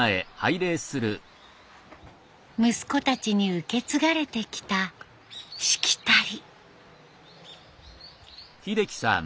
息子たちに受け継がれてきたしきたり。